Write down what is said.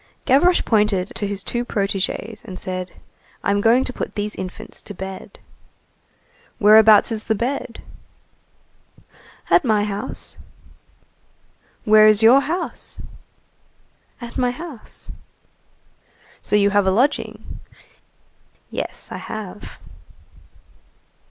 Gavroche pointed to his two protégés, and said:— "I'm going to put these infants to bed." "Whereabouts is the bed?" "At my house." "Where's your house?" "At my house." "So you have a lodging?" "Yes, I have."